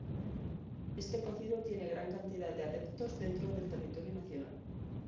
Este cocido tiene gran cantidad de adeptos dentro del territorio nacional.